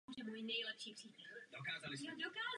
Osada patřila do panství knížat z Ditrichštejna.